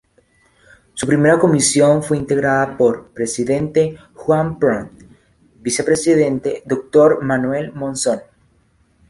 Su primera Comisión fue integrada por: presidente: Juan B. Pron, vicepresidente Dr Manuel Monzón.